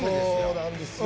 そうなんですよ。